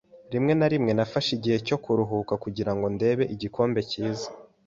Rimwe na rimwe nafashe igihe cyo kuruhuka kugirango ndebe Igikombe cyiza.